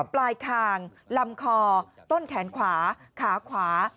ปลายคางลำคอต้นแขนขวาขาขวา